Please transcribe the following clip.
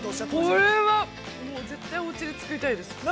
◆これは、もう絶対おうちで作りたいです。